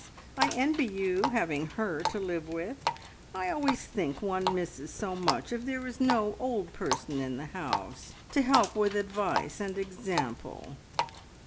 I envy you having her to live with. I always think one misses so much if there is no old person in the house to help with advice and example!"